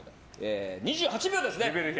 ２８秒ですね。